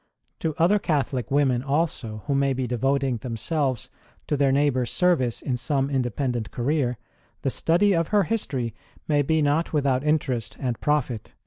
To other Catholic women also, who may be devoting themselves to their neighbours service in some independent career, the study of her history may be not without interest and profit.